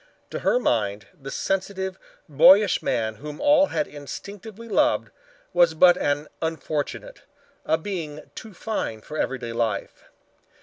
To her mind, the sensitive, boyish man whom all had instinctively loved, was but an unfortunate, a being too fine for everyday life.